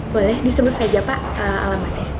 boleh disebut saja pak alamatnya